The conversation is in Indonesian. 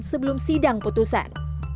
sebelum sidang putusan